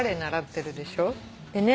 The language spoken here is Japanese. でね